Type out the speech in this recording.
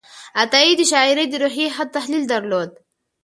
عطایي د شاعرۍ د روحیې ښه تحلیل درلود.